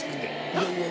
いやいや。